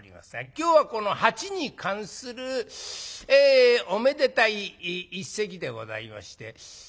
今日はこの「八」に関するおめでたい一席でございまして。